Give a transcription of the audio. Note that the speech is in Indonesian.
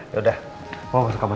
ya udah mama masuk kamar ma